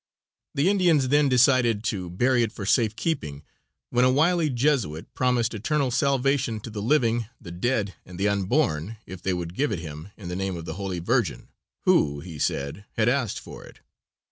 The Indians then decided to bury it for safe keeping, when a wily Jesuit promised eternal salvation to the living, the dead, and the unborn, if they would give it him in the name of the Holy Virgin, who, he said, had asked for it.